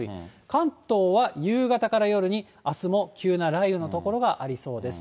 関東は夕方から夜に、あすも急な雷雨の所がありそうです。